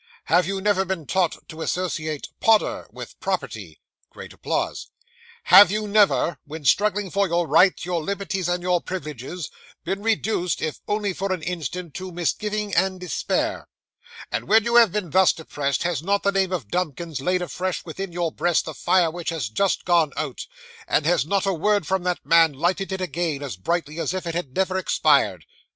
Have you never been taught to associate Podder with property? (Great applause.) Have you never, when struggling for your rights, your liberties, and your privileges, been reduced, if only for an instant, to misgiving and despair? And when you have been thus depressed, has not the name of Dumkins laid afresh within your breast the fire which had just gone out; and has not a word from that man lighted it again as brightly as if it had never expired?